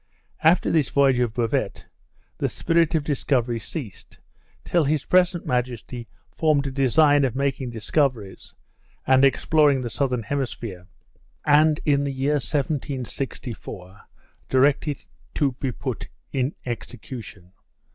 After this voyage of Bouvet, the spirit of discovery ceased, till his present majesty formed a design of making discoveries, and exploring the southern hemisphere; and, in the year 1764, directed it to be put in execution.